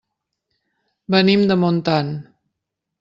Venim de Montant.